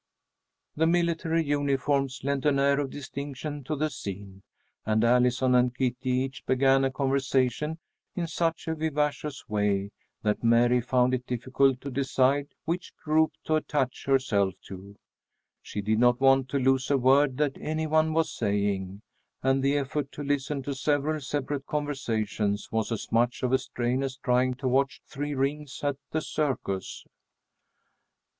The military uniforms lent an air of distinction to the scene, and Allison and Kitty each began a conversation in such a vivacious way, that Mary found it difficult to decide which group to attach herself to. She did not want to lose a word that any one was saying, and the effort to listen to several separate conversations was as much of a strain as trying to watch three rings at the circus.